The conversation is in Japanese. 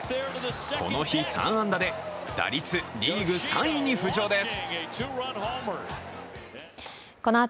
この日、３安打で打率リーグ３位に浮上です。